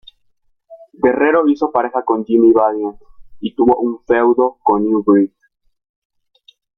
Guerrero hizo pareja con Jimmy Valiant y tuvo un feudo con New Breed.